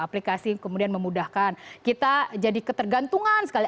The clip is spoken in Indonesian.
aplikasi kemudian memudahkan kita jadi ketergantungan sekali